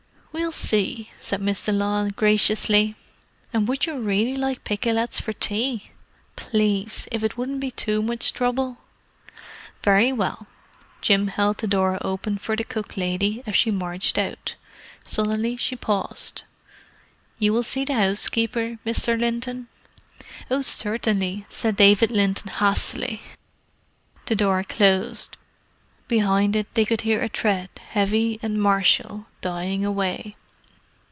"We'll see," said Miss de Lisle graciously. "And would you really like pikelets for tea?" "Please—if it wouldn't be too much trouble." "Very well." Jim held the door open for the cook lady as she marched out. Suddenly she paused. "You will see the housekeeper, Mr. Linton?" "Oh, certainly!" said David Linton hastily. The door closed; behind it they could hear a tread, heavy and martial, dying away.